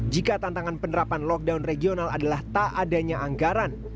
jika tantangan penerapan lockdown regional adalah tak adanya anggaran